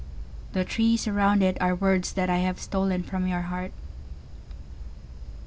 The trees around itAre words that I have stolen from your heart.